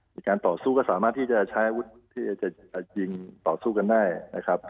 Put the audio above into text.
ในการต่อสู้ก็สามารถใช้อุตสุทธิ์ที่จะเยี่ยงต่อสู้กันได้นะครับ